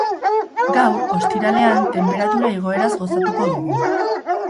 Gaur, ostiralean, tenperatura igoeraz gozatuko dugu.